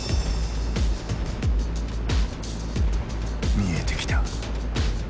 見えてきた！